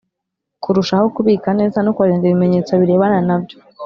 Kurushaho kubika neza no kurinda ibimenyetso birebana nabyo